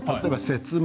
「説明」？